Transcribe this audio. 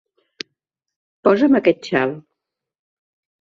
Posa'm aquest xal.